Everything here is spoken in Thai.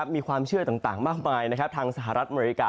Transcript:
มีความเชื่อต่างมากมายทางสหรัฐอเมริกา